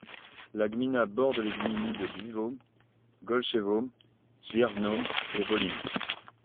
La gmina borde les gminy de Dziwnów, Golczewo, Świerzno et Wolin.